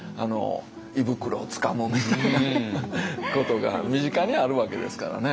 胃袋をつかむみたいなことが身近にあるわけですからね。